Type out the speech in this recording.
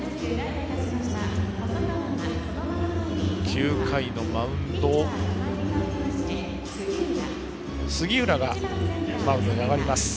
９回は杉浦がマウンドに上がります。